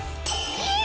えっ！